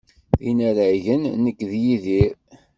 D inaragen nekk d Yidir.